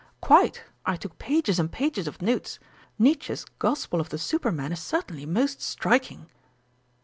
"Quite; I took pages and pages of notes. Nietzsche's Gospel of the Superman is certainly most striking."